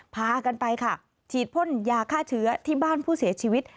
พากันไปค่ะฉีดพ่นยาฆ่าเชื้อที่บ้านผู้เสียชีวิต